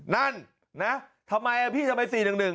นั่นนะทำไมพี่ทำไม๔๑๑